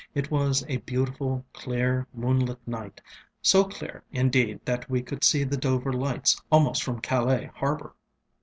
It was a beautiful, clear, moonlit night, so clear, indeed, that we could see the Dover lights almost from Calais harbor.